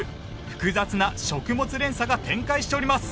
複雑な食物連鎖が展開しております！